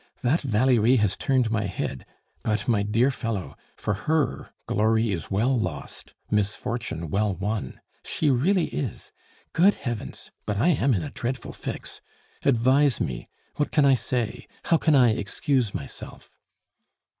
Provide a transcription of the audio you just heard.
That Valerie has turned my head; but, my dear fellow, for her glory is well lost, misfortune well won! She really is! Good Heavens! But I am in a dreadful fix. Advise me. What can I say? How can I excuse myself?"